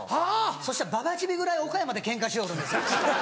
そしたらばばちびるぐらい岡山でケンカしよるんですよ。